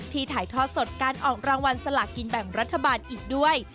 ถ่ายทอดสดการออกรางวัลสลากินแบ่งรัฐบาลอีกด้วย